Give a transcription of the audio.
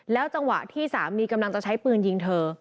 จังหวะที่สามีกำลังจะใช้ปืนยิงเธอ